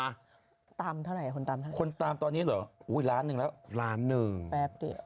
คนตามเท่าไหร่คนตามตอนนี้เหรออุ้ย๑๐๐๐๐๐๐แล้ว